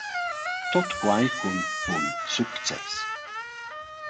Tuot quai cun bun success.